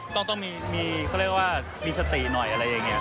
ต้องมีเขาเรียกว่ามีสติหน่อยอะไรอย่างนี้